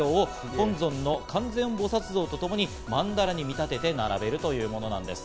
本尊の観世音菩薩像とともに曼荼羅に見立てて並べるということなんです。